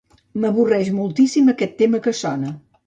M'avorreix moltíssim aquest tema que sona.